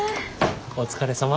お疲れさま。